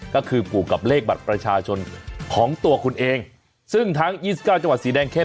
ก็คือผูกกับเลขบัตรประชาชนของตัวคุณเองซึ่งทั้ง๒๙จังหวัดสีแดงเข้ม